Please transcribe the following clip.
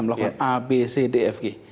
melakukan a b c d f g